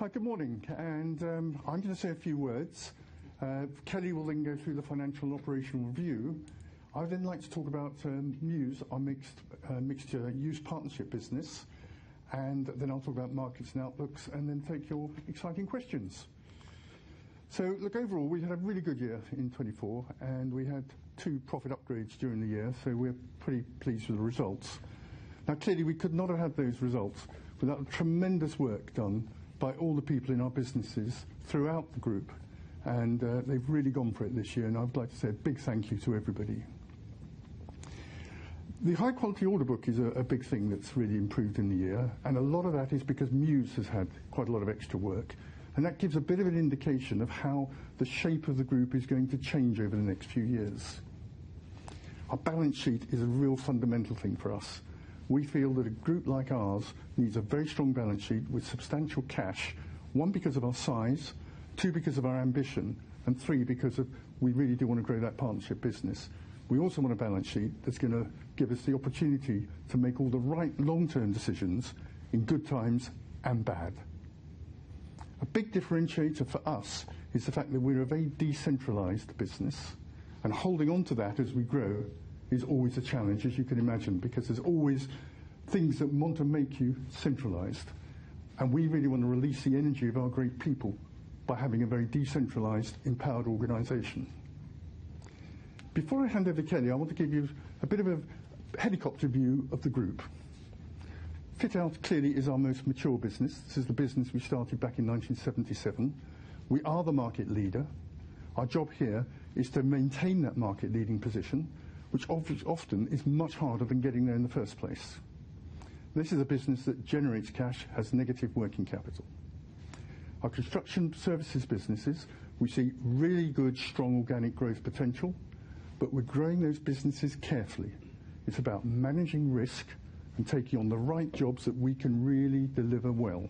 Hi, good morning, and I'm going to say a few words. Kelly will then go through the financial and operational review. I would then like to talk about Muse, our mixed-use partnership business, and then I'll talk about markets and outlooks, and then take your exciting questions, so look, overall, we had a really good year in 2024, and we had two profit upgrades during the year, so we're pretty pleased with the results. Now, clearly, we could not have had those results without the tremendous work done by all the people in our businesses throughout the group, and they've really gone for it this year, and I'd like to say a big thank you to everybody. The high-quality order book is a big thing that's really improved in the year, and a lot of that is because Muse has had quite a lot of extra work. And that gives a bit of an indication of how the shape of the group is going to change over the next few years. Our balance sheet is a real fundamental thing for us. We feel that a group like ours needs a very strong balance sheet with substantial cash, one, because of our size, two, because of our ambition, and three, because we really do want to grow that partnership business. We also want a balance sheet that's going to give us the opportunity to make all the right long-term decisions in good times and bad. A big differentiator for us is the fact that we're a very decentralized business, and holding onto that as we grow is always a challenge, as you can imagine, because there's always things that want to make you centralized. We really want to release the energy of our great people by having a very decentralized, empowered organization. Before I hand over to Kelly, I want to give you a bit of a helicopter view of the group. Fit Out clearly is our most mature business. This is the business we started back in 1977. We are the market leader. Our job here is to maintain that market-leading position, which often is much harder than getting there in the first place. This is a business that generates cash, has negative working capital. Our construction services businesses, we see really good, strong organic growth potential, but we're growing those businesses carefully. It's about managing risk and taking on the right jobs that we can really deliver well.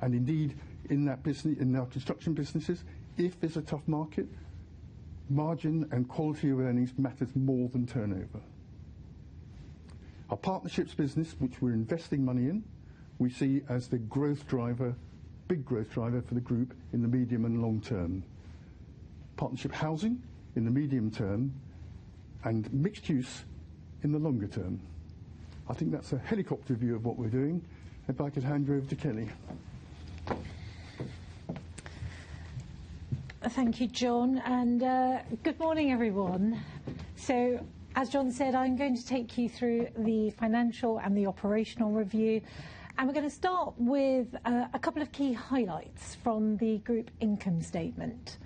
Indeed, in that business, in our construction businesses, if there's a tough market, margin and quality of earnings matters more than turnover. Our partnerships business, which we're investing money in, we see as the growth driver, big growth driver for the group in the medium and long term. Partnership Housing in the medium term and mixed use in the longer term. I think that's a helicopter view of what we're doing. If I could hand you over to Kelly. Thank you, John. Good morning, everyone. As John said, I'm going to take you through the financial and the operational review. We're going to start with a couple of key highlights from the group income statement.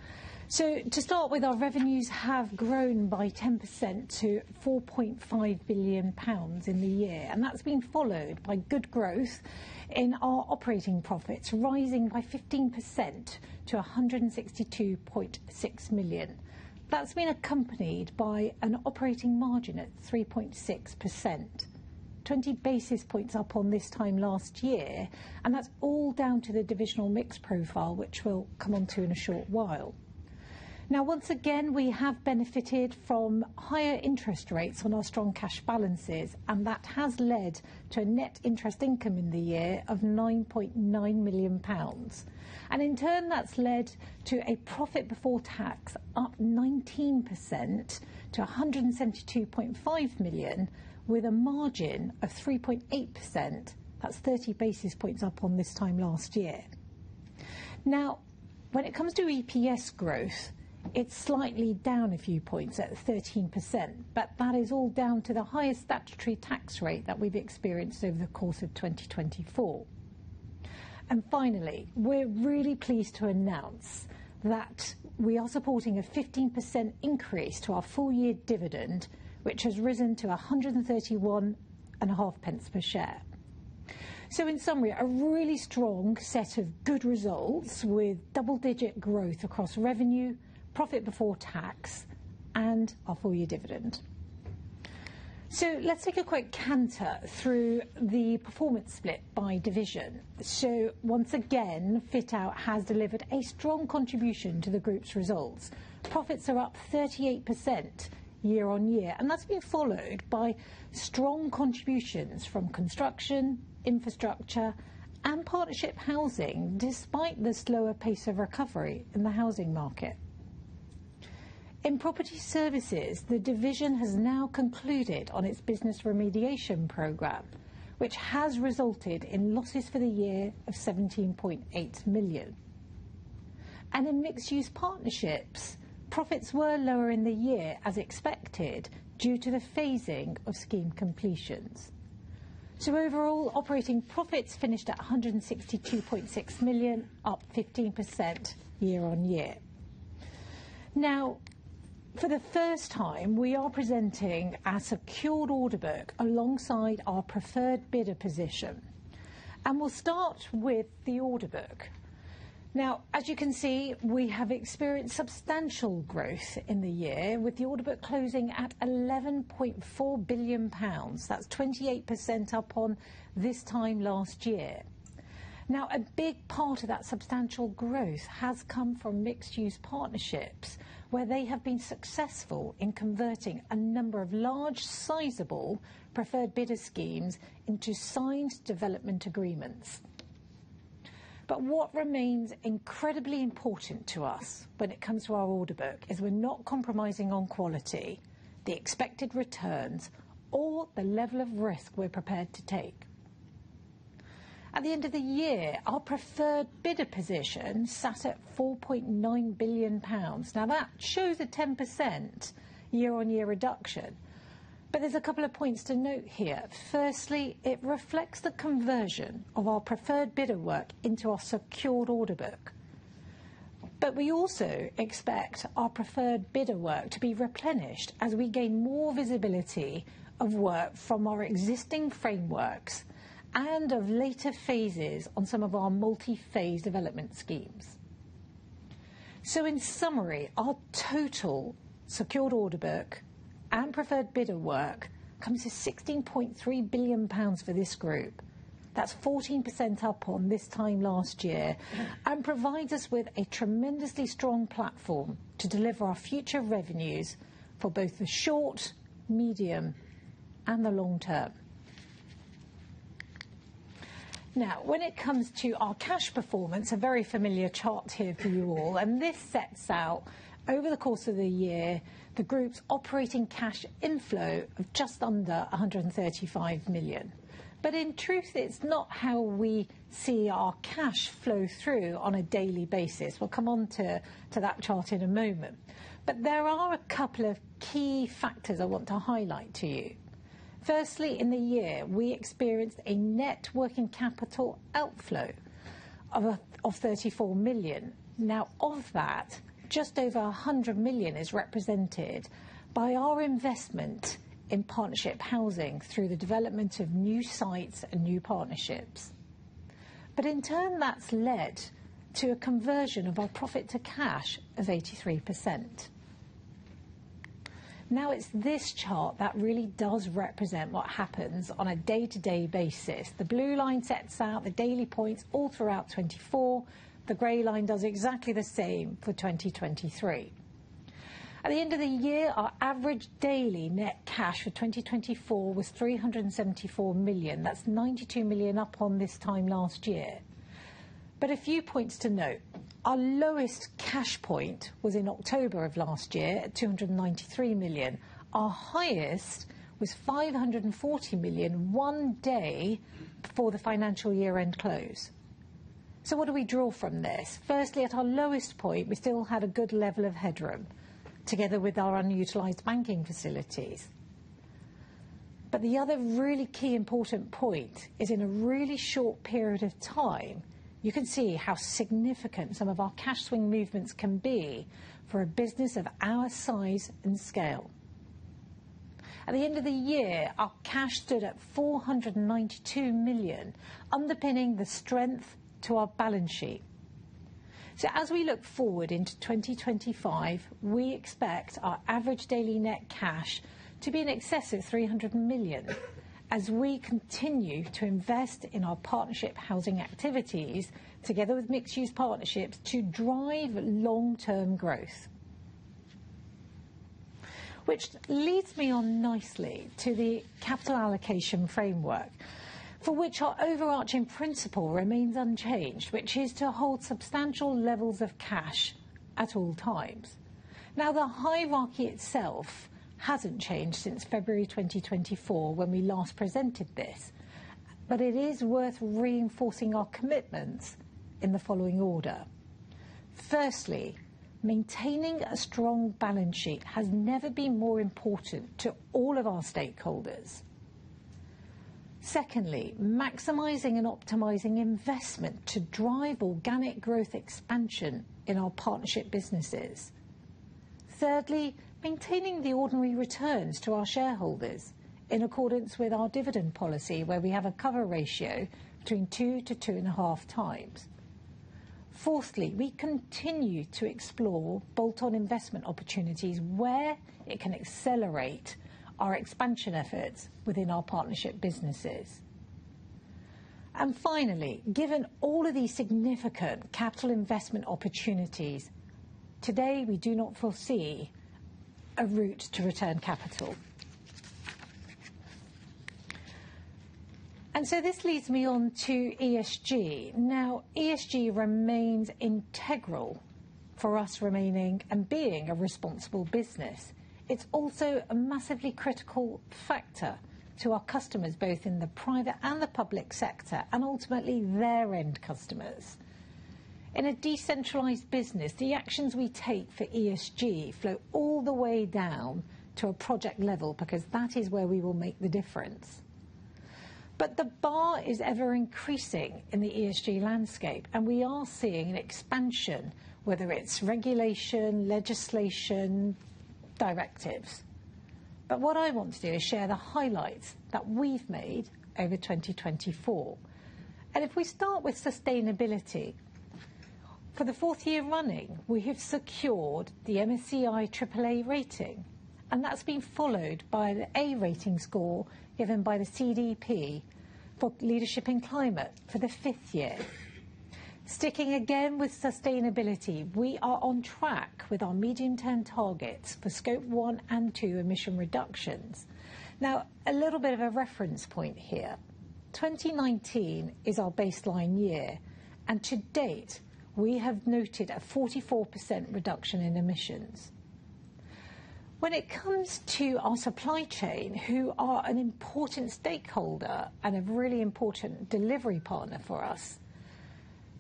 To start with, our revenues have grown by 10% to 4.5 billion pounds in the year. That's been followed by good growth in our operating profits, rising by 15% to 162.6 million. That's been accompanied by an operating margin at 3.6%, 20 basis points up on this time last year. That's all down to the divisional mix profile, which we'll come onto in a short while. Now, once again, we have benefited from higher interest rates on our strong cash balances, and that has led to a net interest income in the year of 9.9 million pounds. And in turn, that's led to a profit before tax up 19% to 172.5 million, with a margin of 3.8%. That's 30 basis points up on this time last year. Now, when it comes to EPS growth, it's slightly down a few points at 13%, but that is all down to the highest statutory tax rate that we've experienced over the course of 2024. And finally, we're really pleased to announce that we are supporting a 15% increase to our full-year dividend, which has risen to 131.5p per share. So, in summary, a really strong set of good results with double-digit growth across revenue, profit before tax, and our full-year dividend. So, let's take a quick canter through the performance split by division. So, once again, Fit Out has delivered a strong contribution to the group's results. Profits are up 38% year on year, and that's been followed by strong contributions from construction, infrastructure, and Partnership Housing, despite the slower pace of recovery in the housing market. In Property Services, the division has now concluded on its business remediation program, which has resulted in losses for the year of 17.8 million, and in Mixed Use Partnerships, profits were lower in the year as expected due to the phasing of scheme completions, so overall, operating profits finished at 162.6 million, up 15% year on year. Now, for the first time, we are presenting a secured order book alongside our preferred bidder position, and we'll start with the order book. Now, as you can see, we have experienced substantial growth in the year, with the order book closing at 11.4 billion pounds. That's 28% up on this time last year. Now, a big part of that substantial growth has come from Mixed Use Partnerships, where they have been successful in converting a number of large, sizable preferred bidder schemes into signed development agreements. But what remains incredibly important to us when it comes to our order book is we're not compromising on quality, the expected returns, or the level of risk we're prepared to take. At the end of the year, our preferred bidder position sat at 4.9 billion pounds. Now, that shows a 10% year-on-year reduction. But there's a couple of points to note here. Firstly, it reflects the conversion of our preferred bidder work into our secured order book. But we also expect our preferred bidder work to be replenished as we gain more visibility of work from our existing frameworks and of later phases on some of our multi-phase development schemes. In summary, our total secured order book and preferred bidder work comes to 16.3 billion pounds for this group. That's 14% up on this time last year and provides us with a tremendously strong platform to deliver our future revenues for both the short, medium, and the long term. Now, when it comes to our cash performance, a very familiar chart here for you all. And this sets out, over the course of the year, the group's operating cash inflow of just under 135 million. But in truth, it's not how we see our cash flow through on a daily basis. We'll come on to that chart in a moment. But there are a couple of key factors I want to highlight to you. Firstly, in the year, we experienced a net working capital outflow of 34 million. Now, of that, just over 100 million is represented by our investment in Partnership Housing through the development of new sites and new partnerships. But in turn, that's led to a conversion of our profit to cash of 83%. Now, it's this chart that really does represent what happens on a day-to-day basis. The blue line sets out the daily points all throughout 2024. The gray line does exactly the same for 2023. At the end of the year, our average daily net cash for 2024 was 374 million. That's 92 million up on this time last year. But a few points to note. Our lowest cash point was in October of last year at 293 million. Our highest was 540 million one day before the financial year-end close. So, what do we draw from this? Firstly, at our lowest point, we still had a good level of headroom, together with our unutilized banking facilities. But the other really key important point is, in a really short period of time, you can see how significant some of our cash swing movements can be for a business of our size and scale. At the end of the year, our cash stood at 492 million, underpinning the strength to our balance sheet. So, as we look forward into 2025, we expect our average daily net cash to be in excess of 300 million as we continue to invest in our Partnership Housing activities, together with Mixed Use Partnerships, to drive long-term growth. Which leads me on nicely to the capital allocation framework, for which our overarching principle remains unchanged, which is to hold substantial levels of cash at all times. Now, the hierarchy itself hasn't changed since February 2024 when we last presented this, but it is worth reinforcing our commitments in the following order. Firstly, maintaining a strong balance sheet has never been more important to all of our stakeholders. Secondly, maximizing and optimizing investment to drive organic growth expansion in our partnership businesses. Thirdly, maintaining the ordinary returns to our shareholders in accordance with our dividend policy, where we have a cover ratio between two to two and a half times. Fourthly, we continue to explore bolt-on investment opportunities where it can accelerate our expansion efforts within our partnership businesses. And finally, given all of these significant capital investment opportunities, today, we do not foresee a route to return capital, and so this leads me on to ESG. Now, ESG remains integral for us remaining and being a responsible business. It's also a massively critical factor to our customers, both in the private and the public sector, and ultimately their end customers. In a decentralized business, the actions we take for ESG flow all the way down to a project level because that is where we will make the difference. But the bar is ever increasing in the ESG landscape, and we are seeing an expansion, whether it's regulation, legislation, directives. But what I want to do is share the highlights that we've made over 2024. And if we start with sustainability, for the fourth year running, we have secured the MSCI AAA rating. And that's been followed by the A rating score given by the CDP for leadership in climate for the fifth year. Sticking again with sustainability, we are on track with our medium-term targets for Scope 1 and 2 emission reductions. Now, a little bit of a reference point here. 2019 is our baseline year, and to date, we have noted a 44% reduction in emissions. When it comes to our supply chain, who are an important stakeholder and a really important delivery partner for us,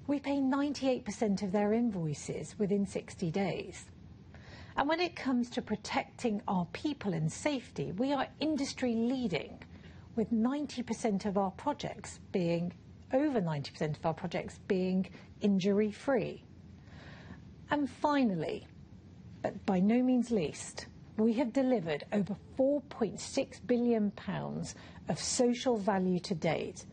we pay 98% of their invoices within 60 days. And when it comes to protecting our people and safety, we are industry-leading, with over 90% of our projects being injury-free. And finally, but by no means least, we have delivered over 4.6 billion pounds of social value to date.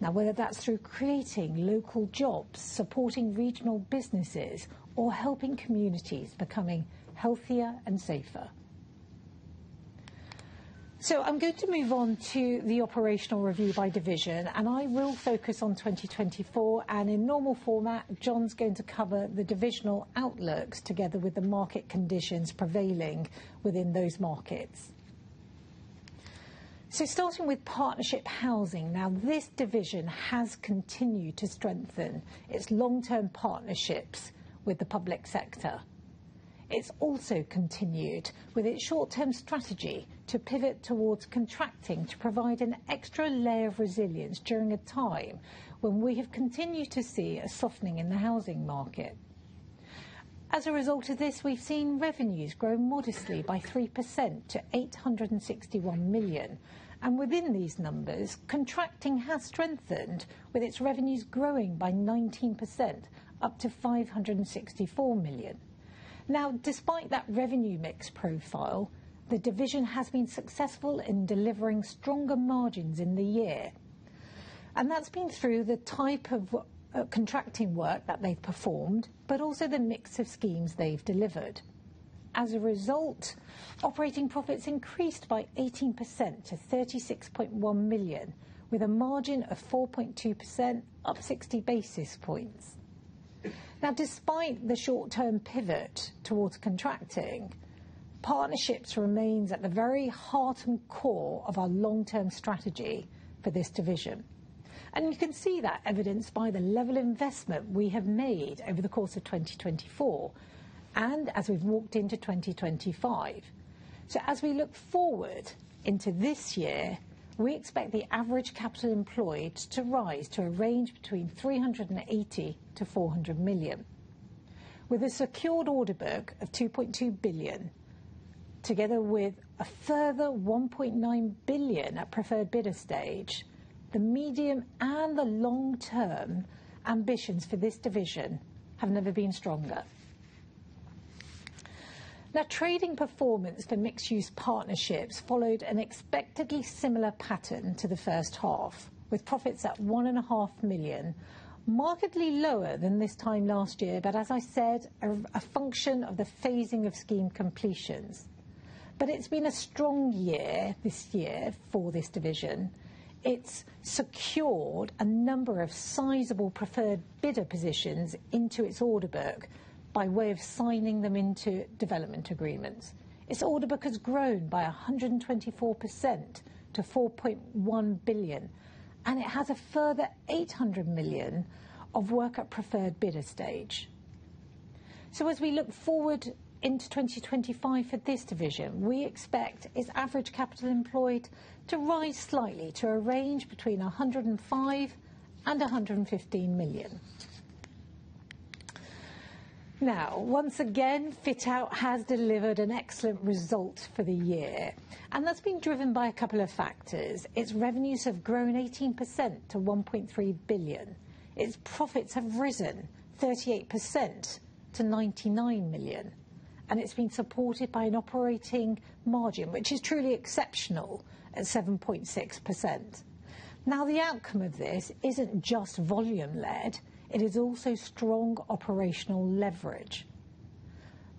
Now, whether that's through creating local jobs, supporting regional businesses, or helping communities becoming healthier and safer. So, I'm going to move on to the operational review by division, and I will focus on 2024. And in normal format, John's going to cover the divisional outlooks together with the market conditions prevailing within those markets. So, starting with Partnership Housing, now, this division has continued to strengthen its long-term partnerships with the public sector. It's also continued with its short-term strategy to pivot towards contracting to provide an extra layer of resilience during a time when we have continued to see a softening in the housing market. As a result of this, we've seen revenues grow modestly by 3% to 861 million. And within these numbers, contracting has strengthened, with its revenues growing by 19%, up to 564 million. Now, despite that revenue mix profile, the division has been successful in delivering stronger margins in the year. And that's been through the type of contracting work that they've performed, but also the mix of schemes they've delivered. As a result, operating profits increased by 18% to 36.1 million, with a margin of 4.2%, up 60 basis points. Now, despite the short-term pivot towards contracting, partnerships remains at the very heart and core of our long-term strategy for this division. And you can see that evidenced by the level of investment we have made over the course of 2024 and as we've walked into 2025. So, as we look forward into this year, we expect the average capital employed to rise to a range between 380 to 400 million. With a secured order book of 2.2 billion, together with a further 1.9 billion at preferred bidder stage, the medium and the long-term ambitions for this division have never been stronger. Now, trading performance for Mixed Use Partnerships followed an expectedly similar pattern to the first half, with profits at 1.5 million, markedly lower than this time last year, but, as I said, a function of the phasing of scheme completions. But it's been a strong year this year for this division. It's secured a number of sizable preferred bidder positions into its order book by way of signing them into development agreements. Its order book has grown by 124% to 4.1 billion, and it has a further 800 million of work at preferred bidder stage. So, as we look forward into 2025 for this division, we expect its average capital employed to rise slightly to a range between 105 and 115 million. Now, once again, Fit Out has delivered an excellent result for the year, and that's been driven by a couple of factors. Its revenues have grown 18% to 1.3 billion. Its profits have risen 38% to 99 million, and it's been supported by an operating margin, which is truly exceptional at 7.6%. Now, the outcome of this isn't just volume-led, it is also strong operational leverage.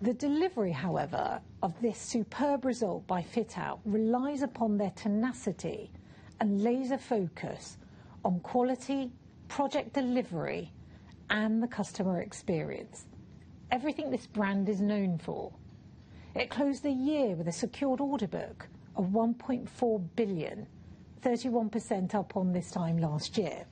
The delivery, however, of this superb result by Fit Out relies upon their tenacity and laser focus on quality, project delivery, and the customer experience, everything this brand is known for. It closed the year with a secured order book of 1.4 billion, 31% up on this time last year.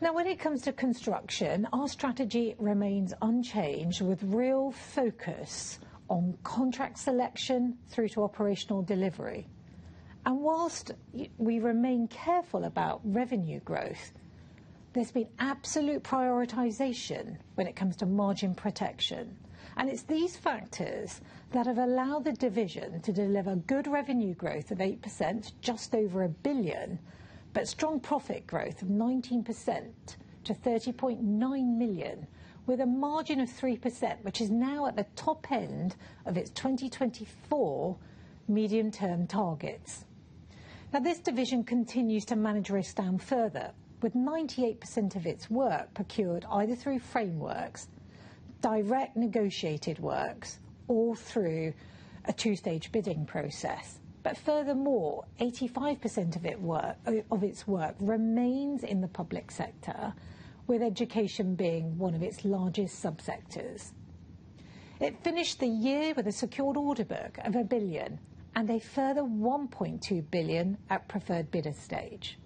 Now, when it comes to construction, our strategy remains unchanged, with real focus on contract selection through to operational delivery. And whilst we remain careful about revenue growth, there's been absolute prioritization when it comes to margin protection, and whilst we remain careful about revenue growth, there's been absolute prioritization when it comes to margin protection. It's these factors that have allowed the division to deliver good revenue growth of 8%, just over 1 billion, but strong profit growth of 19% to 30.9 million, with a margin of 3%, which is now at the top end of its 2024 medium-term targets. Now, this division continues to manage risk down further, with 98% of its work procured either through frameworks, direct negotiated works, or through a two-stage bidding process. But furthermore, 85% of its work remains in the public sector, with education being one of its largest subsectors. It finished the year with a secured order book of 1 billion and a further 1.2 billion at preferred bidder stage.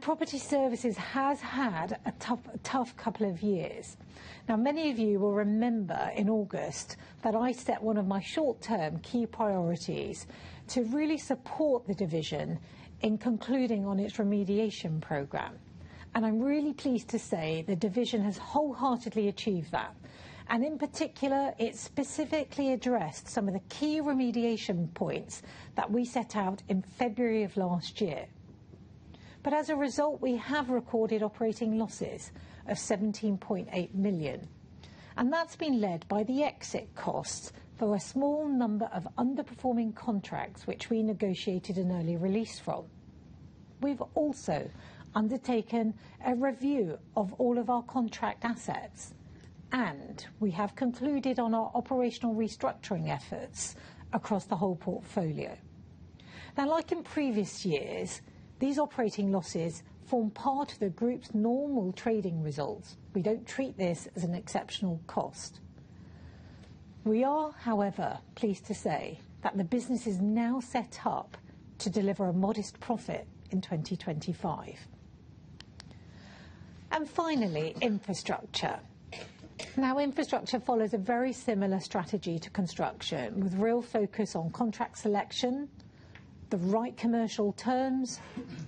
Property Services has had a tough, tough couple of years. Now, many of you will remember in August that I set one of my short-term key priorities to really support the division in concluding on its remediation program, and I'm really pleased to say the division has wholeheartedly achieved that. And in particular, it specifically addressed some of the key remediation points that we set out in February of last year, but as a result, we have recorded operating losses of 17.8 million. And that's been led by the exit costs for a small number of underperforming contracts, which we negotiated an early release from. We've also undertaken a review of all of our contract assets, and we have concluded on our operational restructuring efforts across the whole portfolio. Now, like in previous years, these operating losses form part of the group's normal trading results. We don't treat this as an exceptional cost. We are, however, pleased to say that the business is now set up to deliver a modest profit in 2025. And finally, Infrastructure. Now, Infrastructure follows a very similar strategy to construction, with real focus on contract selection, the right commercial terms,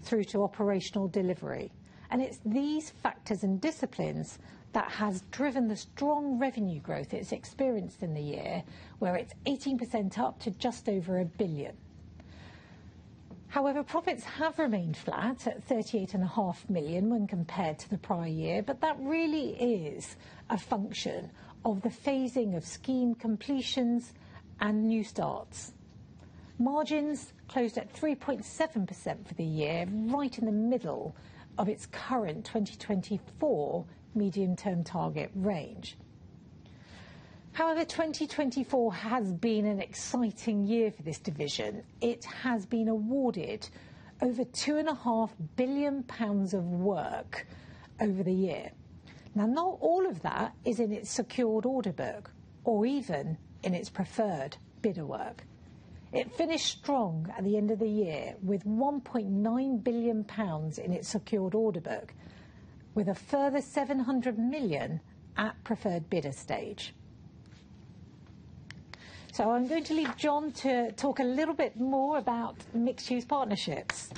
through to operational delivery. And it's these factors and disciplines that have driven the strong revenue growth it's experienced in the year, where it's 18% up to just over a billion. However, profits have remained flat at 38.5 million when compared to the prior year, but that really is a function of the phasing of scheme completions and new starts. Margins closed at 3.7% for the year, right in the middle of its current 2024 medium-term target range. However, 2024 has been an exciting year for this division. It has been awarded over 2.5 billion pounds of work over the year. Now, not all of that is in its secured order book or even in its preferred bidder work. It finished strong at the end of the year with 1.9 billion pounds in its secured order book, with a further 700 million at preferred bidder stage, so I'm going to leave John to talk a little bit more about Mixed Use Partnerships.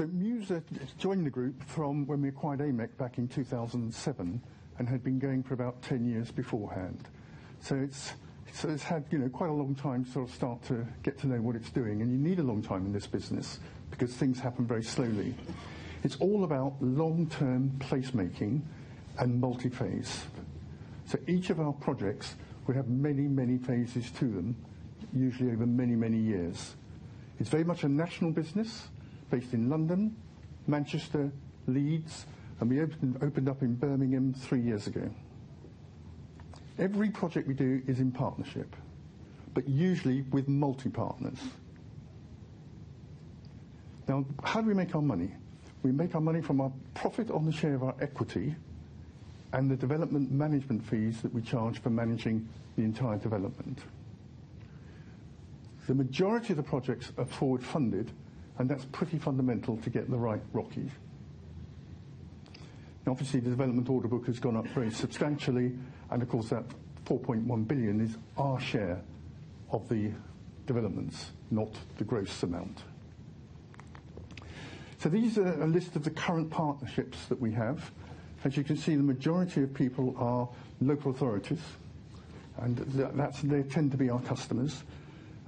Thank you, so Muse joined the group from when we acquired AMEC back in 2007 and had been going for about 10 years beforehand, so it's had, you know, quite a long time to sort of start to get to know what it's doing. You need a long time in this business because things happen very slowly. It's all about long-term placemaking and multi-phase, so each of our projects, we have many, many phases to them, usually over many, many years. It's very much a national business based in London, Manchester, Leeds, and we opened up in Birmingham three years ago. Every project we do is in partnership, but usually with multi-partners. Now, how do we make our money? We make our money from our profit on the share of our equity and the development management fees that we charge for managing the entire development. The majority of the projects are forward funded, and that's pretty fundamental to get the right ROCE. Now, obviously, the development order book has gone up very substantially, and of course, that 4.1 billion is our share of the developments, not the gross amount. So, these are a list of the current partnerships that we have. As you can see, the majority of people are local authorities, and that's. They tend to be our customers.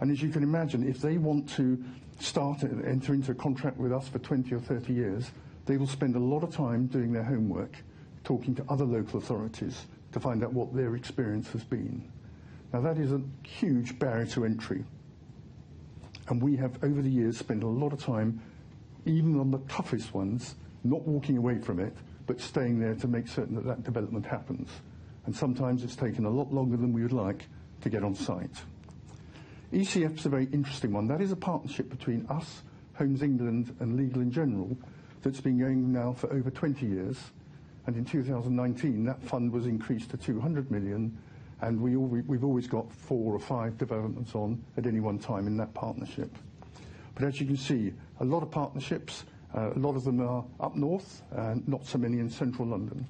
And as you can imagine, if they want to start and enter into a contract with us for 20 or 30 years, they will spend a lot of time doing their homework, talking to other local authorities to find out what their experience has been. Now, that is a huge barrier to entry. And we have, over the years, spent a lot of time, even on the toughest ones, not walking away from it, but staying there to make certain that that development happens. And sometimes it's taken a lot longer than we would like to get on site. ECF's a very interesting one. That is a partnership between us, Homes England, and Legal & General that's been going now for over 20 years. And in 2019, that fund was increased to 200 million, and we always, we've always got four or five developments on at any one time in that partnership. But as you can see, a lot of partnerships, a lot of them are up north and not so many in central London.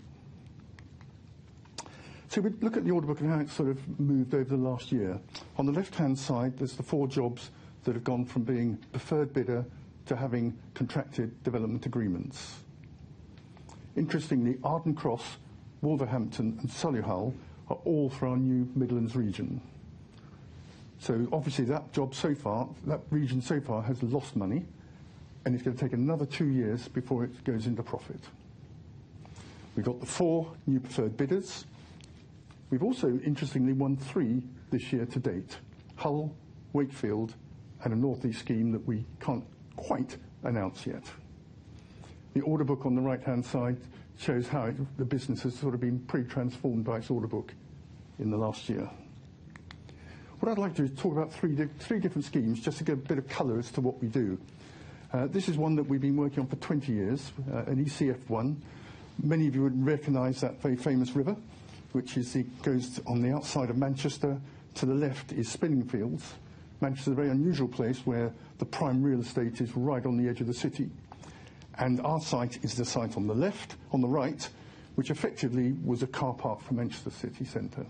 So, we look at the order book and how it's sort of moved over the last year. On the left-hand side, there's the four jobs that have gone from being preferred bidder to having contracted development agreements. Interestingly, Arden Cross, Wolverhampton, and Solihull are all for our new Midlands region. So, obviously, that job so far, that region so far has lost money, and it's going to take another two years before it goes into profit. We've got the four new preferred bidders. We've also, interestingly, won three this year to date: Hull, Wakefield, and a northeast scheme that we can't quite announce yet. The order book on the right-hand side shows how the business has sort of been pre-transformed by its order book in the last year. What I'd like to talk about are three different schemes just to give a bit of color as to what we do. This is one that we've been working on for 20 years, an ECF one. Many of you would recognize that very famous river, which is the, goes on the outside of Manchester. To the left is Spinningfields. Manchester is a very unusual place where the prime real estate is right on the edge of the city. And our site is the site on the left, on the right, which effectively was a car park for Manchester city centre.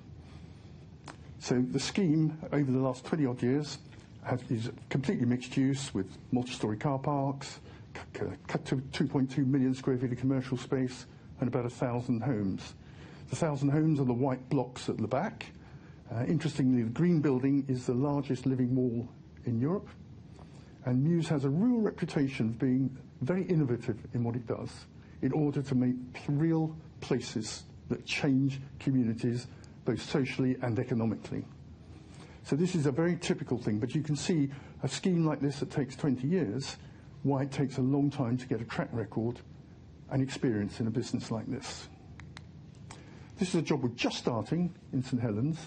So, the scheme over the last 20-odd years has been completely mixed-use with multi-story car parks, up to 2.2 million sq ft of commercial space, and about 1,000 homes. The 1,000 homes are the white blocks at the back. Interestingly, the green building is the largest living wall in Europe, and Muse has a real reputation for being very innovative in what it does in order to make real places that change communities both socially and economically, so this is a very typical thing, but you can see a scheme like this that takes 20 years, why it takes a long time to get a track record and experience in a business like this. This is a job we're just starting in St Helens.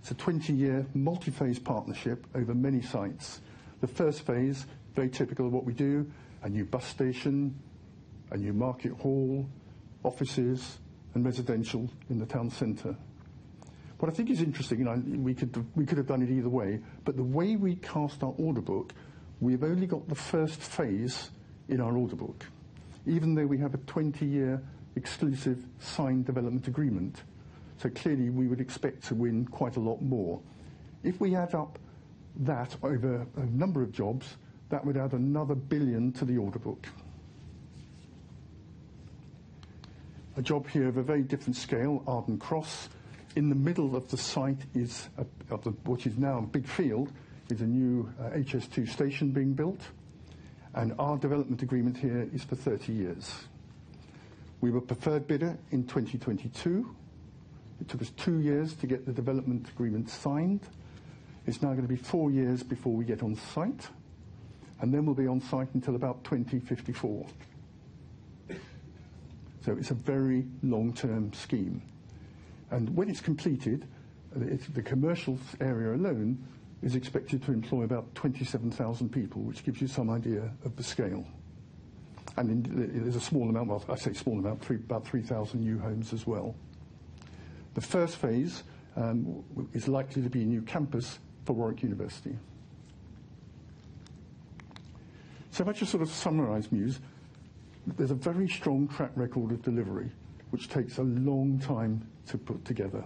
It's a 20-year multi-phase partnership over many sites. The first phase, very typical of what we do: a new bus station, a new market hall, offices, and residential in the town center. What I think is interesting, and we could, we could have done it either way, but the way we cast our order book, we've only got the first phase in our order book, even though we have a 20-year exclusive signed development agreement. So, clearly, we would expect to win quite a lot more. If we add up that over a number of jobs, that would add another billion to the order book. A job here of a very different scale, Arden Cross, in the middle of the site is, which is now a big field, is a new HS2 station being built. And our development agreement here is for 30 years. We were preferred bidder in 2022. It took us two years to get the development agreement signed. It's now going to be four years before we get on site, and then we'll be on site until about 2054. So, it's a very long-term scheme. And when it's completed, the commercial area alone is expected to employ about 27,000 people, which gives you some idea of the scale. And there's a small amount, well, I say small amount, about 3,000 new homes as well. The first phase is likely to be a new campus for Warwick University. So, if I just sort of summarize Muse, there's a very strong track record of delivery, which takes a long time to put together.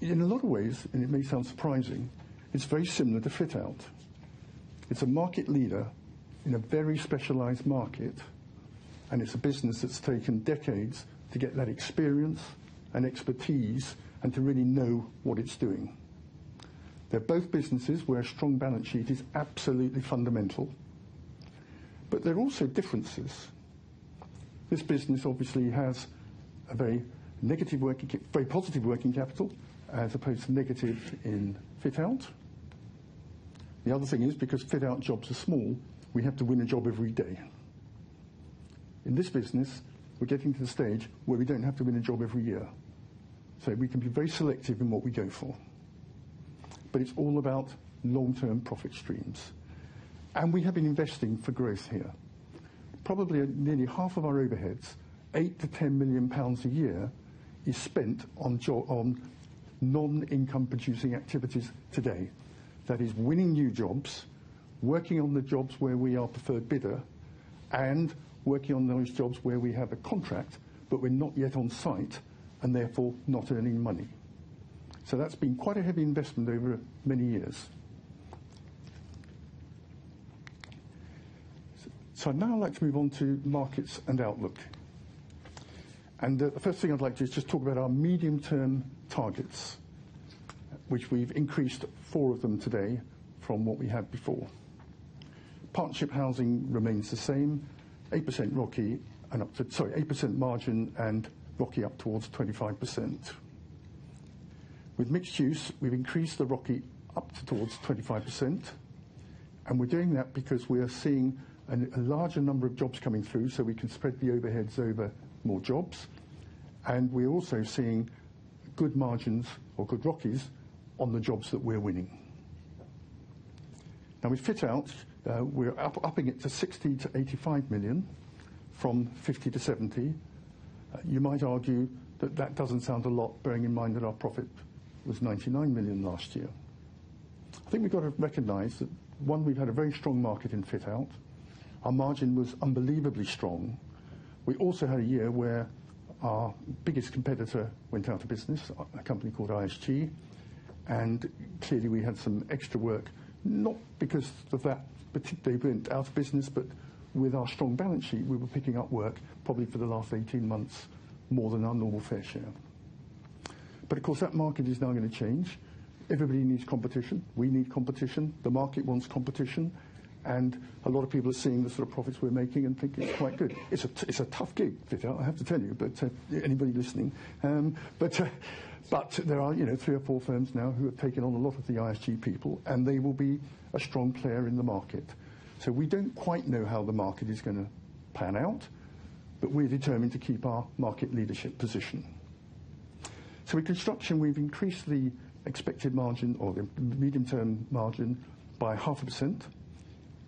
In a lot of ways, and it may sound surprising, it's very similar to Fit Out. It's a market leader in a very specialized market, and it's a business that's taken decades to get that experience and expertise and to really know what it's doing. They're both businesses where a strong balance sheet is absolutely fundamental. But there are also differences. This business obviously has a very negative working, very positive working capital as opposed to negative in Fit Out. The other thing is, because Fit Out jobs are small, we have to win a job every day. In this business, we're getting to the stage where we don't have to win a job every year. So, we can be very selective in what we go for. But it's all about long-term profit streams. And we have been investing for growth here. Probably nearly half of our overheads, 8-10 million pounds a year, is spent on non-income-producing activities today. That is winning new jobs, working on the jobs where we are preferred bidder, and working on those jobs where we have a contract, but we're not yet on site and therefore not earning money. So, that's been quite a heavy investment over many years. So, now I'd like to move on to markets and outlook. And the first thing I'd like to do is just talk about our medium-term targets, which we've increased four of them today from what we had before. Partnership Housing remains the same, 8% ROCE and up to, sorry, 8% margin and ROCE up towards 25%. With mixed use, we've increased the ROCE up towards 25%. And we're doing that because we are seeing a larger number of jobs coming through so we can spread the overheads over more jobs. And we're also seeing good margins or good ROCEs on the jobs that we're winning. Now, with Fit Out, we're upping it to 60-85 million from 50-70. You might argue that that doesn't sound a lot, bearing in mind that our profit was 99 million last year. I think we've got to recognize that, one, we've had a very strong market in Fit Out. Our margin was unbelievably strong. We also had a year where our biggest competitor went out of business, a company called ISG. And clearly, we had some extra work, not because of that, but they went out of business, but with our strong balance sheet, we were picking up work probably for the last 18 months more than our normal fair share. But of course, that market is now going to change. Everybody needs competition. We need competition. The market wants competition. And a lot of people are seeing the sort of profits we're making and think it's quite good. It's a tough gig, Fit Out, I have to tell you, to anybody listening. But there are, you know, three or four firms now who have taken on a lot of the ISG people, and they will be a strong player in the market. So, we don't quite know how the market is going to pan out, but we're determined to keep our market leadership position. So, with Construction, we've increased the expected margin or the medium-term margin by 0.5%.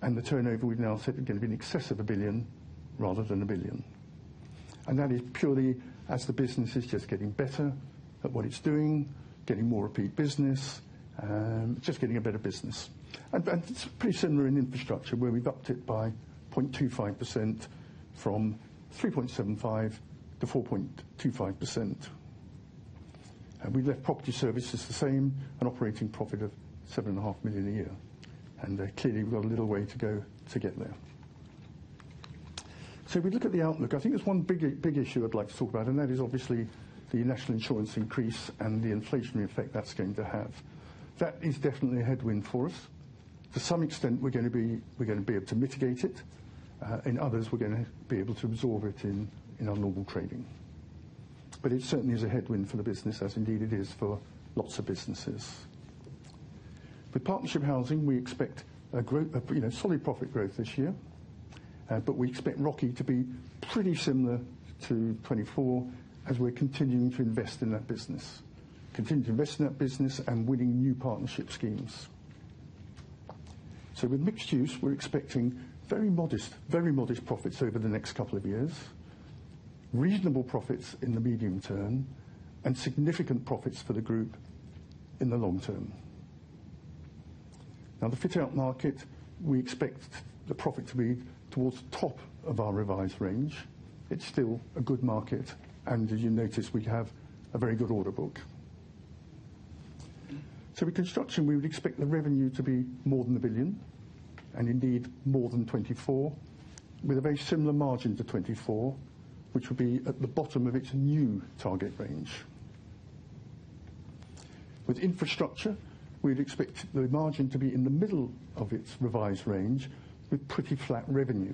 And the turnover we've now said is going to be in excess of 1 billion rather than 1 billion. And that is purely as the business is just getting better at what it's doing, getting more repeat business, just getting a better business. It's pretty similar in Infrastructure where we've upped it by 0.25% from 3.75%-4.25%. We've Property Services the same and operating profit of 7.5 million a year. Clearly, we've got a little way to go to get there. If we look at the outlook, I think there's one big issue I'd like to talk about, and that is obviously the National Insurance increase and the inflationary effect that's going to have. That is definitely a headwind for us. To some extent, we're going to be able to mitigate it. In others, we're going to be able to absorb it in our normal trading. But it certainly is a headwind for the business, as indeed it is for lots of businesses. With Partnership Housing, we expect a growth, you know, solid profit growth this year. We expect ROCE to be pretty similar to 2024 as we're continuing to invest in that business and winning new partnership schemes. With mixed use, we're expecting very modest, very modest profits over the next couple of years, reasonable profits in the medium term, and significant profits for the group in the long term. Now, the Fit Out market, we expect the profit to be towards the top of our revised range. It's still a good market, and as you notice, we have a very good order book. With construction, we would expect the revenue to be more than a billion and indeed more than 2.4 billion, with a very similar margin to 2024, which would be at the bottom of its new target range. With Infrastructure, we would expect the margin to be in the middle of its revised range with pretty flat revenue.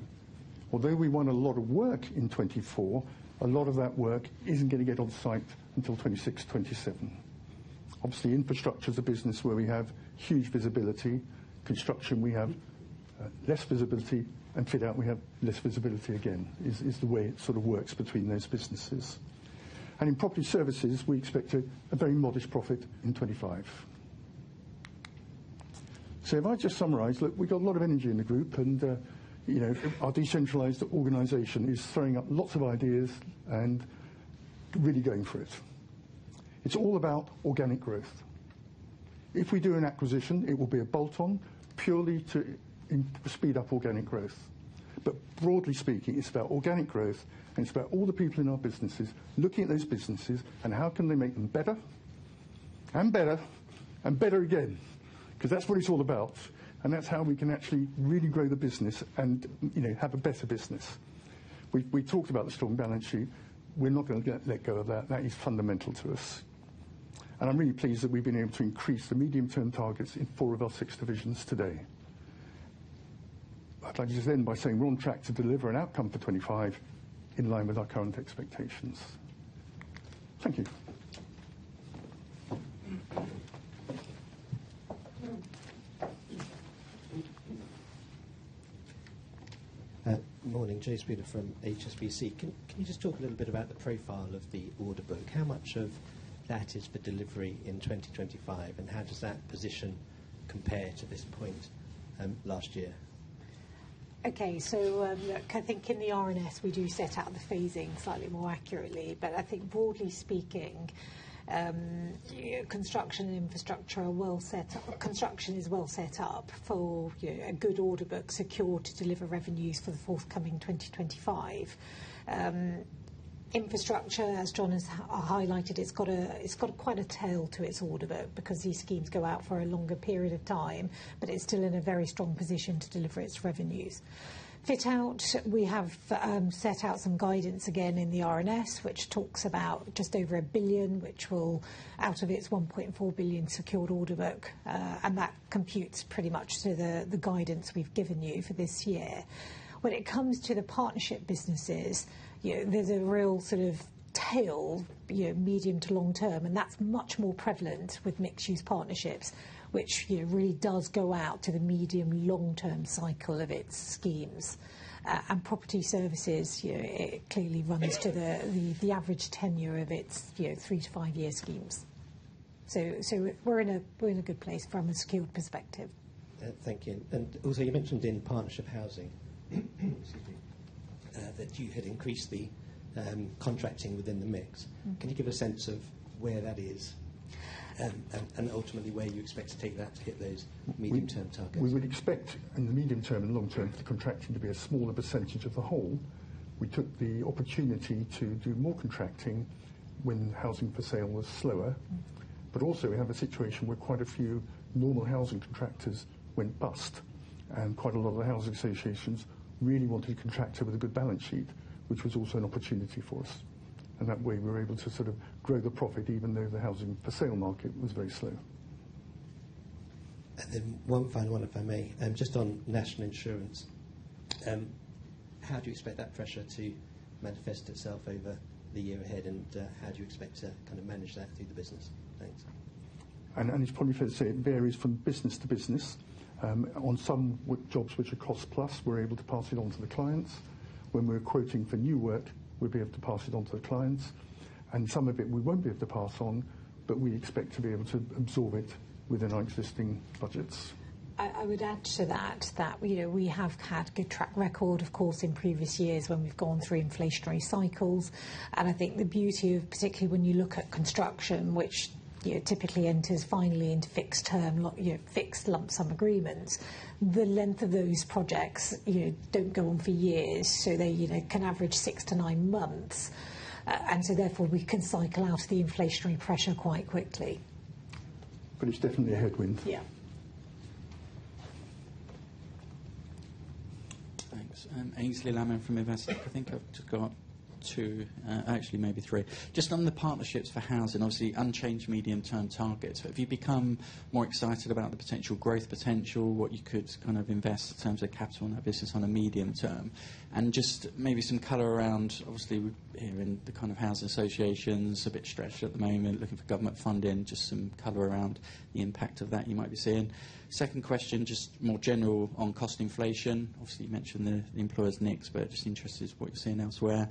Although we won a lot of work in 2024, a lot of that work isn't going to get on site until 2026, 2027. Obviously, Infrastructure is a business where we have huge visibility. Construction, we have less visibility, and Fit Out, we have less visibility again, is the way it sort of works between those businesses, and Property Services, we expect a very modest profit in 2025, so if I just summarize, look, we've got a lot of energy in the group, and, you know, our decentralized organization is throwing up lots of ideas and really going for it. It's all about organic growth. If we do an acquisition, it will be a bolt-on purely to speed up organic growth. Broadly speaking, it's about organic growth, and it's about all the people in our businesses looking at those businesses and how can they make them better and better and better again, because that's what it's all about. And that's how we can actually really grow the business and, you know, have a better business. We talked about the strong balance sheet. We're not going to let go of that. That is fundamental to us. And I'm really pleased that we've been able to increase the medium-term targets in four of our six divisions today. I'd like to just end by saying we're on track to deliver an outcome for 2025 in line with our current expectations. Thank you. Good morning. James Booth from HSBC. Can you just talk a little bit about the profile of the order book? How much of that is for delivery in 2025, and how does that position compare to this point last year? Okay. So, look, I think in the RNS, we do set out the phasing slightly more accurately. But I think broadly speaking, Construction and Infrastructure are well set up. Construction is well set up for a good secured order book to deliver revenues for the forthcoming 2025. Infrastructure, as John has highlighted, it's got quite a tail to its order book because these schemes go out for a longer period of time, but it's still in a very strong position to deliver its revenues. Fit Out, we have set out some guidance again in the RNS, which talks about just over a billion, which will come out of its 1.4 billion secured order book. And that computes pretty much to the guidance we've given you for this year. When it comes to the partnership businesses, there's a real sort of tail, medium- to long-term, and that's much more prevalent with Mixed Use Partnerships, which really does go out to the medium- to long-term cycle of its schemes, Property Services, it clearly runs to the average tenure of its three- to five-year schemes. So, we're in a good place from a secured perspective. Thank you. And also, you mentioned in Partnership Housing that you had increased the construction within the mix. Can you give a sense of where that is and ultimately where you expect to take that to hit those medium-term targets? We would expect in the medium- and long-term the construction to be a smaller percentage of the whole. We took the opportunity to do more construction when housing for sale was slower. But also, we have a situation where quite a few normal housing contractors went bust, and quite a lot of the housing associations really wanted a contractor with a good balance sheet, which was also an opportunity for us. And that way, we were able to sort of grow the profit even though the housing for sale market was very slow. And then one final one, if I may, just on National Insurance. How do you expect that pressure to manifest itself over the year ahead, and how do you expect to kind of manage that through the business? Thanks. And it's probably fair to say it varies from business to business. On some jobs which are cost-plus, we're able to pass it on to the clients. When we're quoting for new work, we'll be able to pass it on to the clients. And some of it, we won't be able to pass on, but we expect to be able to absorb it within our existing budgets. I would add to that that we have had a good track record, of course, in previous years when we've gone through inflationary cycles. And I think the beauty of, particularly when you look at construction, which typically enters finally into fixed-term, fixed lump sum agreements, the length of those projects don't go on for years, so they can average six to nine months. And so, therefore, we can cycle out the inflationary pressure quite quickly. But it's definitely a headwind. Yeah. Thanks. Aynsley Lammin from Investec. I think I've just got two, actually maybe three. Just on the partnerships for housing, obviously unchanged medium-term targets. Have you become more excited about the potential growth potential, what you could kind of invest in terms of capital in that business on a medium term? Just maybe some color around, obviously, we're hearing the kind of housing associations a bit stretched at the moment, looking for government funding, just some color around the impact of that you might be seeing. Second question, just more general on cost inflation. Obviously, you mentioned the employers' NI, but just interested in what you're seeing elsewhere.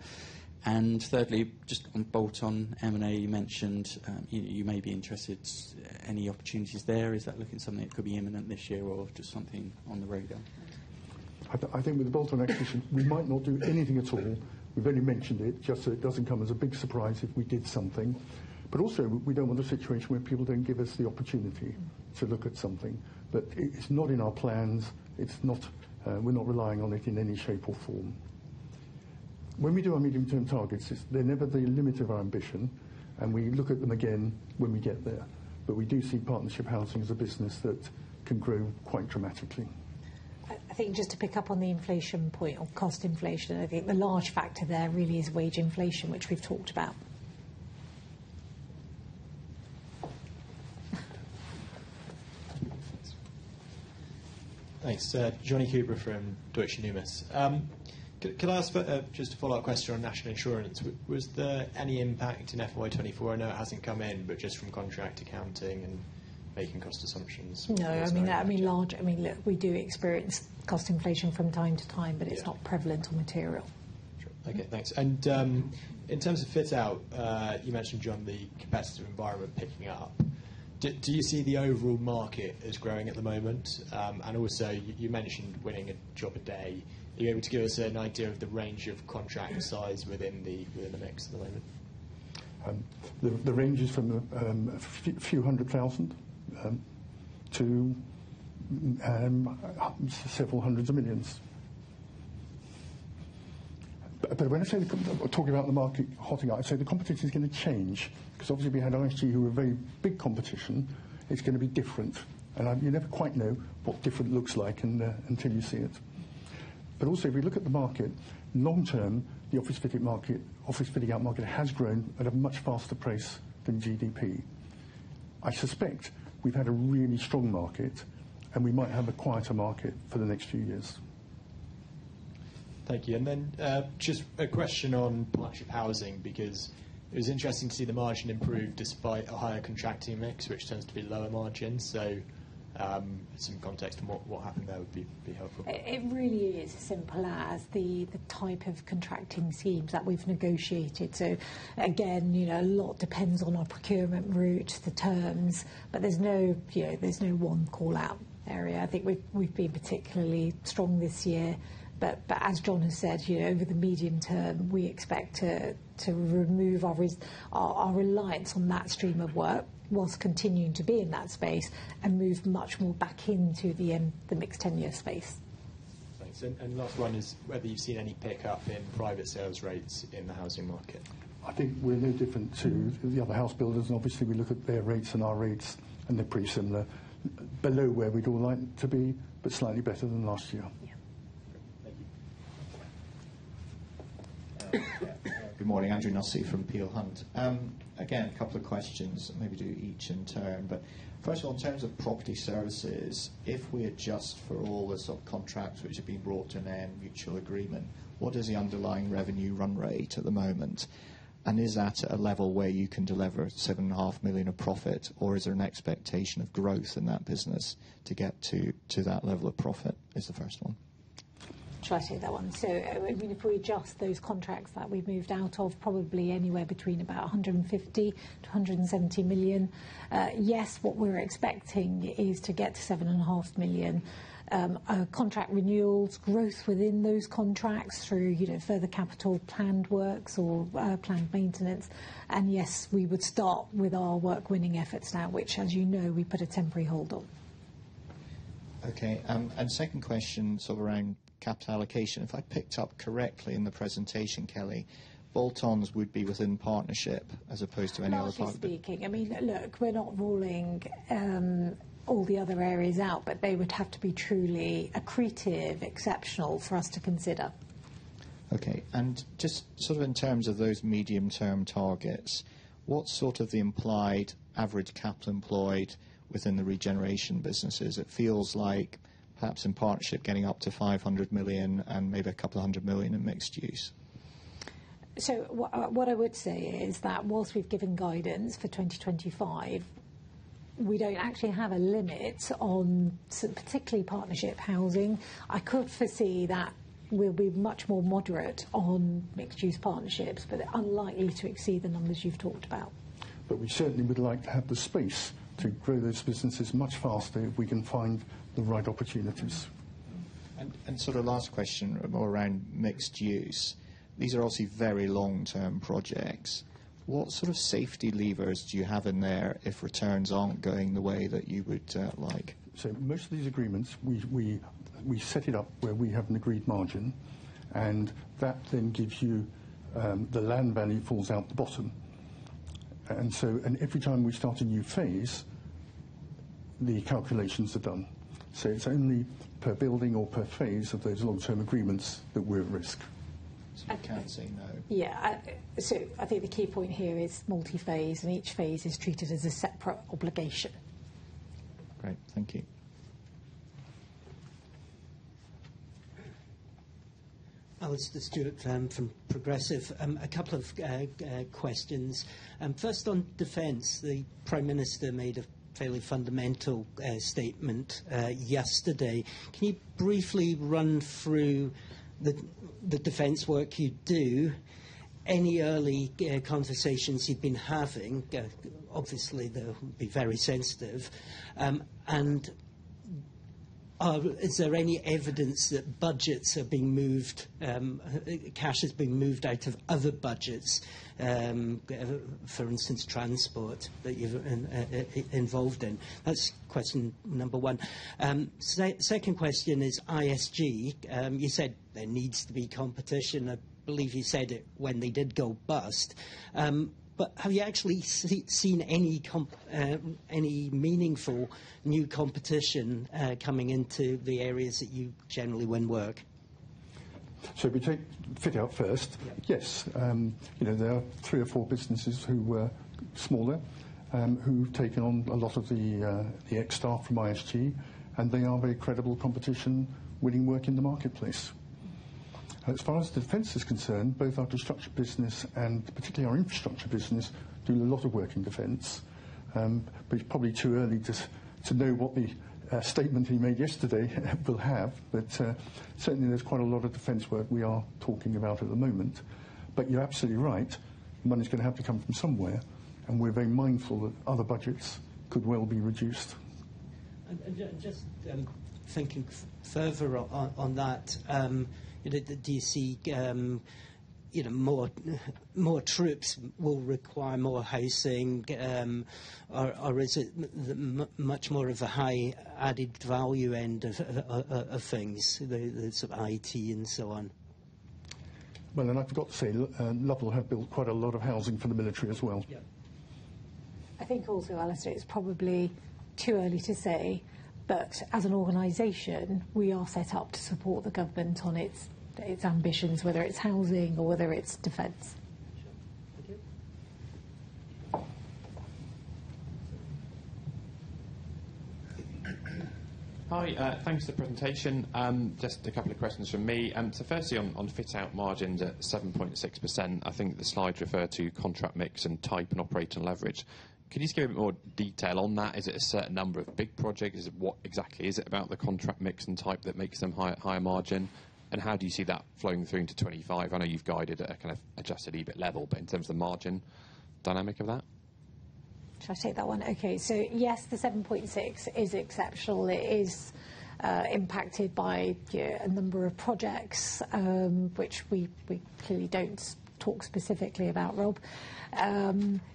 And thirdly, just on bolt-on M&A, you mentioned you may be interested. Any opportunities there? Is that looking at something that could be imminent this year or just something on the radar? I think with the bolt-on acquisition, we might not do anything at all. We've only mentioned it just so it doesn't come as a big surprise if we did something. But also, we don't want a situation where people don't give us the opportunity to look at something. But it's not in our plans. It's not. We're not relying on it in any shape or form. When we do our medium-term targets, they're never the limit of our ambition, and we look at them again when we get there. But we do see Partnership Housing as a business that can grow quite dramatically. I think just to pick up on the inflation point or cost inflation, I think the large factor there really is wage inflation, which we've talked about. Thanks. Jonny Coubrough from Deutsche Numis. Can I ask just a follow-up question on National Insurance? Was there any impact in FY24? I know it hasn't come in, but just from contract accounting and making cost assumptions. No, I mean, I mean, look. We do experience cost inflation from time to time, but it's not prevalent or material. Sure. Okay. Thanks, and in terms of Fit Out, you mentioned, John, the competitive environment picking up. Do you see the overall market as growing at the moment? And also, you mentioned winning a job a day. Are you able to give us an idea of the range of contract size within the mix at the moment? The range is from a few hundred thousand to several hundreds of millions, but when I say talking about the market hotting up, I say the competition is going to change because obviously we had ISG, who were very big competition. It's going to be different, and you never quite know what different looks like until you see it. But also, if we look at the market, long term, the office fitting out market has grown at a much faster pace than GDP. I suspect we've had a really strong market, and we might have a quieter market for the next few years. Thank you. And then just a question on Partnership Housing because it was interesting to see the margin improve despite a higher contracting mix, which tends to be lower margins. So some context on what happened there would be helpful. It really is as simple as the type of contracting schemes that we've negotiated. So again, a lot depends on our procurement route, the terms, but there's no one call-out area. I think we've been particularly strong this year. But as John has said, over the medium term, we expect to remove our reliance on that stream of work whilst continuing to be in that space and move much more back into the mixed-tenure space. Thanks. And last one is whether you've seen any pickup in private sales rates in the housing market. I think we're no different to the other house builders. And obviously, we look at their rates and our rates, and they're pretty similar. Below where we'd all like to be, but slightly better than last year. Yeah. Thank you. Good morning. Andrew Nussey from Peel Hunt. Again, a couple of questions, maybe do each in turn. But first of all, in terms Property Services, if we adjust for all the subcontracts which have been brought in a mutual agreement, what is the underlying revenue run rate at the moment? Is that at a level where you can deliver 7.5 million of profit, or is there an expectation of growth in that business to get to that level of profit? Is the first one? Try to hear that one. So if we adjust those contracts that we've moved out of, probably anywhere between about 150-170 million. Yes, what we're expecting is to get to 7.5 million. Contract renewals, growth within those contracts through further capital planned works or planned maintenance. Yes, we would start with our work-winning efforts now, which, as you know, we put a temporary hold on. Okay. Second question, sort of around capital allocation. If I picked up correctly in the presentation, Kelly, bolt-ons would be within partnership as opposed to any other partnership. Obviously speaking. I mean, look, we're not ruling all the other areas out, but they would have to be truly accretive, exceptional for us to consider. Okay. And just sort of in terms of those medium-term targets, what's sort of the implied average capital employed within the regeneration businesses? It feels like perhaps in partnership getting up to 500 million and maybe a couple of hundred million in mixed-use. So what I would say is that whilst we've given guidance for 2025, we don't actually have a limit on particularly Partnership Housing. I could foresee that we'll be much more moderate on Mixed Use Partnerships, but unlikely to exceed the numbers you've talked about. But we certainly would like to have the space to grow those businesses much faster if we can find the right opportunities. And sort of last question more around mixed-use. These are obviously very long-term projects. What sort of safety levers do you have in there if returns aren't going the way that you would like? So, most of these agreements, we set it up where we have an agreed margin, and that then gives you the land value falls out the bottom. And every time we start a new phase, the calculations are done. So, it's only per building or per phase of those long-term agreements that we're at risk. I can't say no. Yeah. So, I think the key point here is multi-phase, and each phase is treated as a separate obligation. Great. Thank you. Alastair, the analyst from Progressive. A couple of questions. First, on defence, the Prime Minister made a fairly fundamental statement yesterday. Can you briefly run through the defence work you do, any early conversations you've been having? Obviously, they'll be very sensitive. And is there any evidence that budgets are being moved, cash is being moved out of other budgets, for instance, transport that you're involved in? That's question number one. Second question is ISG. You said there needs to be competition. I believe you said it when they did go bust. But have you actually seen any meaningful new competition coming into the areas that you generally win work? So if we take Fit Out first, yes. There are three or four businesses who were smaller who've taken on a lot of the ex-staff from ISG, and they are very credible competition winning work in the marketplace. As far as defence is concerned, both our construction business and particularly our Infrastructure business do a lot of work in defence. But it's probably too early to know what the statement he made yesterday will have. But certainly, there's quite a lot of defence work we are talking about at the moment. But you're absolutely right. Money's going to have to come from somewhere, and we're very mindful that other budgets could well be reduced. Just thinking further on that, the increase, more troops will require more housing, or is it much more of a high added value end of things, the sort of IT and so on? Well, and I forgot to say, Lovell have built quite a lot of housing for the military as well. Yeah. I think also, Alastair, it's probably too early to say, but as an organization, we are set up to support the government on its ambitions, whether it's housing or whether it's defence. [inaudible] Hi. Thanks for the presentation. Just a couple of questions from me. So firstly, on Fit Out margins at 7.6%, I think the slides refer to contract mix and type and operating leverage. Can you just give a bit more detail on that? Is it a certain number of big projects? What exactly is it about the contract mix and type that makes them higher margin? And how do you see that flowing through into 2025? I know you've guided at a kind of adjusted EBIT level, but in terms of the margin dynamic of that? Try to take that one. Okay. So yes, the 7.6 is exceptional. It is impacted by a number of projects, which we clearly don't talk specifically about, Rob.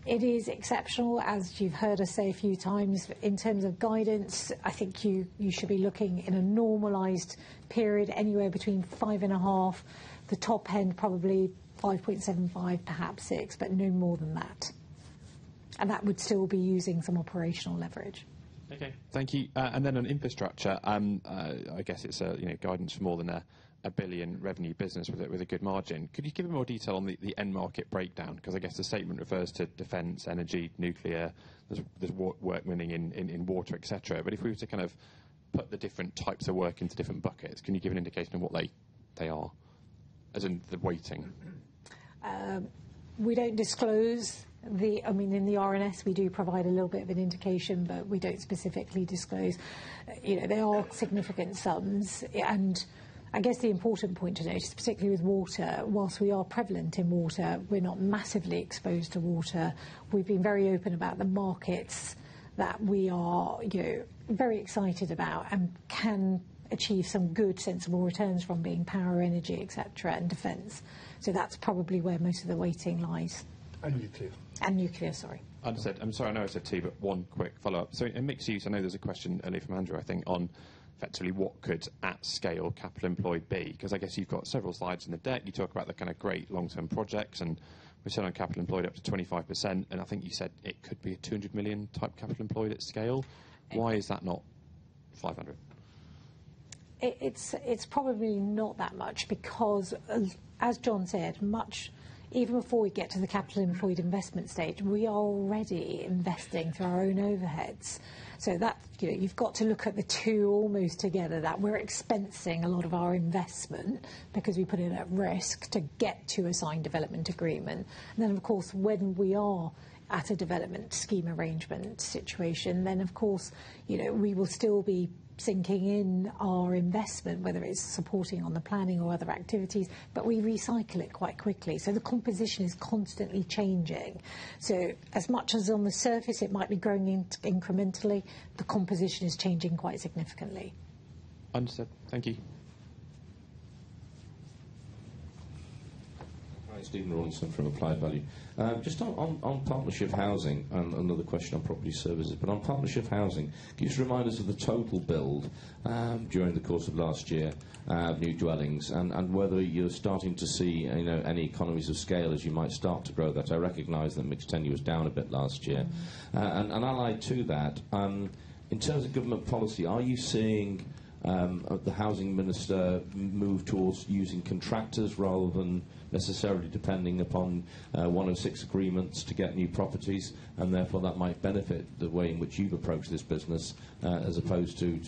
It is exceptional, as you've heard us say a few times. In terms of guidance, I think you should be looking in a normalised period anywhere between 5.5, the top end probably 5.75, perhaps 6, but no more than that. And that would still be using some operational leverage. Okay. Thank you. And then on Infrastructure, I guess it's guidance for more than 1 billion revenue business with a good margin. Could you give a bit more detail on the end market breakdown? Because I guess the statement refers to defence, energy, nuclear, there's work winning in water, etc. But if we were to kind of put the different types of work into different buckets, can you give an indication of what they are as in the weighting? We don't disclose the I mean, in the RNS, we do provide a little bit of an indication, but we don't specifically disclose. They are significant sums. And I guess the important point to note is, particularly with water, whilst we are prevalent in water, we're not massively exposed to water. We've been very open about the markets that we are very excited about and can achieve some good sensible returns from being power, energy, etc., and defence. So that's probably where most of the weighting lies. And nuclear. And nuclear, sorry. Understood. I'm sorry I know I said T, but one quick follow-up. So in mixed-use, I know there's a question earlier from Andrew, I think, on effectively what could at scale capital employed be? Because I guess you've got several slides in the deck. You talk about the kind of great long-term projects, and we've seen capital employed up to 25%. And I think you said it could be a 200 million type capital employed at scale. Why is that not 500? It's probably not that much because, as John said, even before we get to the capital employed investment stage, we are already investing through our own overheads. So you've got to look at the two almost together that we're expensing a lot of our investment because we put it at risk to get to a signed development agreement. And then, of course, when we are at a development scheme arrangement situation, then, of course, we will still be sinking in our investment, whether it's supporting on the planning or other activities, but we recycle it quite quickly. So the composition is constantly changing. So as much as on the surface it might be growing incrementally, the composition is changing quite significantly. Understood. Thank you. Hi, Stephen Rawlinson from Applied Value. Just on Partnership Housing, another question Property Services. but on Partnership Housing, can you just remind us of the total build during the course of last year of new dwellings and whether you're starting to see any economies of scale as you might start to grow that? I recognize that mixed tenure was down a bit last year. And allied to that, in terms of government policy, are you seeing the Housing Minister move towards using contractors rather than necessarily depending upon one-off agreements to get new properties? And therefore, that might benefit the way in which you've approached this business as opposed to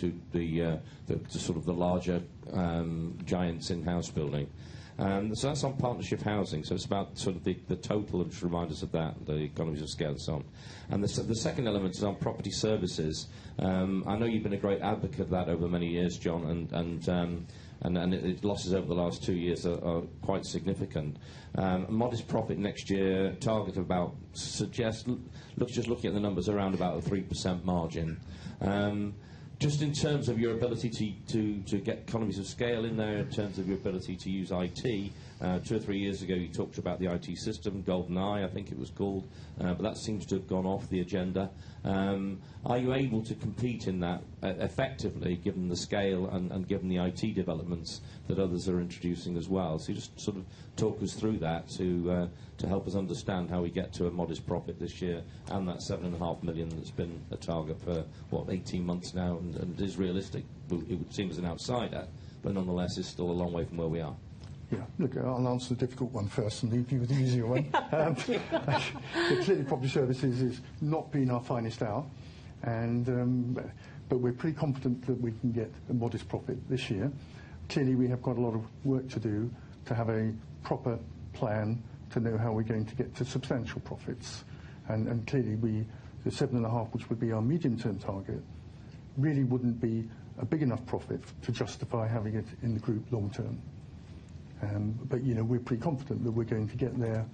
sort of the larger giants in house building. So that's on Partnership Housing. So it's about sort of the total and just remind us of that, the economies of scale and so on. And the second element is Property Services. i know you've been a great advocate of that over many years, John, and the losses over the last two years are quite significant. Modest profit next year, target of about suggests just looking at the numbers around about a 3% margin. Just in terms of your ability to get economies of scale in there, in terms of your ability to use IT, two or three years ago, you talked about the IT system, goldeni, I think it was called, but that seems to have gone off the agenda. Are you able to compete in that effectively given the scale and given the IT developments that others are introducing as well? So just sort of talk us through that to help us understand how we get to a modest profit this year and that 7.5 million that's been a target for, what, 18 months now? And it is realistic. It would seem as an outsider, but nonetheless, it's still a long way from where we are. Yeah. Look, I'll answer the difficult one first and leave you with the easier one. Property Services is not being our finest hour, but we're pretty confident that we can get a modest profit this year. Clearly, we have quite a lot of work to do to have a proper plan to know how we're going to get to substantial profits. And clearly, the 7.5, which would be our medium-term target, really wouldn't be a big enough profit to justify having it in the group long term. But we're pretty confident that we're going to get there.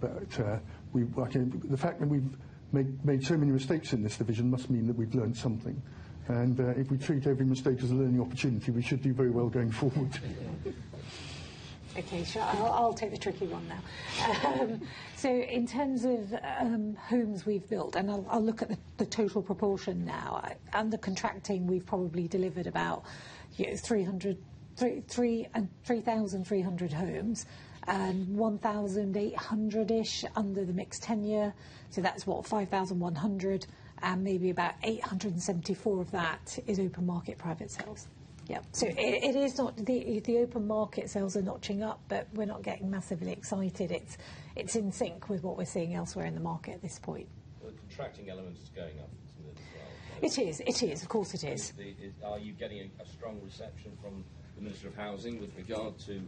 But the fact that we've made so many mistakes in this division must mean that we've learned something. And if we treat every mistake as a learning opportunity, we should do very well going forward. Okay. Sure. I'll take the tricky one now. So in terms of homes we've built, and I'll look at the total proportion now. Under contracting, we've probably delivered about 3,300 homes and 1,800-ish under the mixed tenure. So that's what, 5,100, and maybe about 874 of that is open market private sales. Yeah. So the open market sales are notching up, but we're not getting massively excited. It's in sync with what we're seeing elsewhere in the market at this point. The contracting element is going up as well. It is. It is. Of course, it is. Are you getting a strong reception from the Minister of Housing with regard to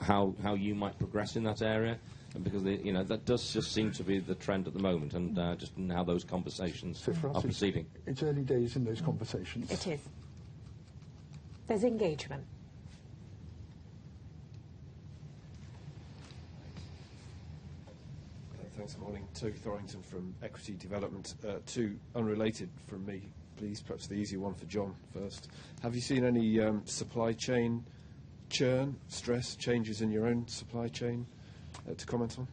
how you might progress in that area? Because that does just seem to be the trend at the moment and just now those conversations are proceeding. It's early days in those conversations. It is. There's engagement. Thanks for calling. Toby Thorrington from Equity Development. Two unrelated questions from me, please. Perhaps the easier one for John first. Have you seen any supply chain churn, stress, changes in your own supply chain to comment on?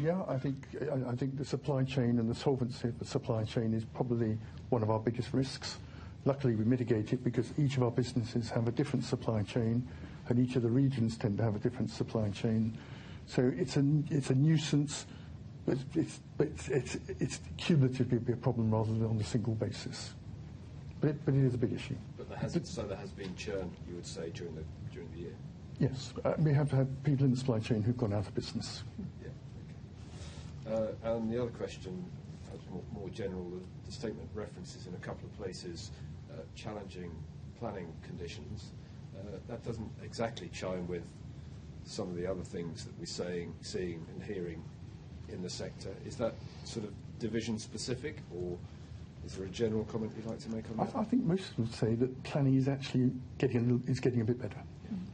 Yeah. I think the supply chain and the solvency of the supply chain is probably one of our biggest risks. Luckily, we mitigate it because each of our businesses have a different supply chain, and each of the regions tend to have a different supply chain. So it's a nuisance, but it's cumulatively a problem rather than on a single basis. But it is a big issue. So there has been churn, you would say, during the year? Yes. We have had people in the supply chain who've gone out of business. Yeah. Okay. And the other question is more general. The statement references in a couple of places challenging planning conditions. That doesn't exactly chime with some of the other things that we're seeing and hearing in the sector. Is that sort of division-specific, or is there a general comment you'd like to make on that? I think most would say that planning is getting a bit better,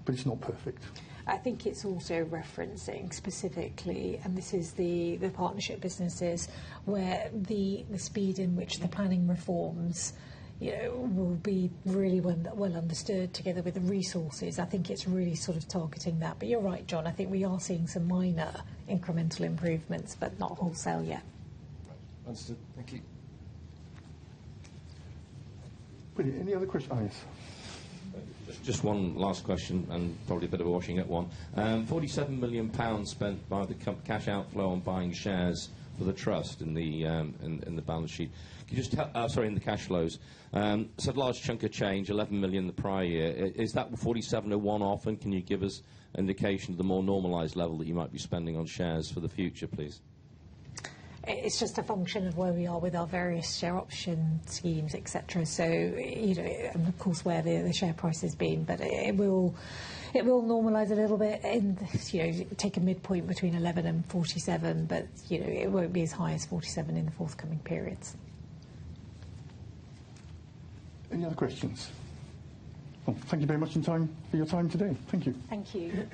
but it's not perfect. I think it's also referencing specifically, and this is the partnership businesses, where the speed in which the planning reforms will be really well understood together with the resources. I think it's really sort of targeting that. But you're right, John. I think we are seeing some minor incremental improvements, but not wholesale yet. Right. Understood. Thank you. Any other questions? Yes. Just one last question and probably a bit of a washing-up one. 47 million pounds spent by the cash outflow on buying shares for the trust in the balance sheet. Sorry, in the cash flows. So large chunk of change, 11 million the prior year. Is that 47 a one-off, and can you give us an indication of the more normalized level that you might be spending on shares for the future, please? It's just a function of where we are with our various share option schemes, etc. And of course, where the share price has been. But it will normalize a little bit and take a midpoint between 11 and 47, but it won't be as high as 47 in the forthcoming periods. Any other questions? Thank you very much for your time today. Thank you. Thank you.